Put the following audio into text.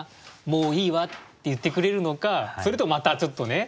「もういいわ」って言ってくれるのかそれともまたちょっとね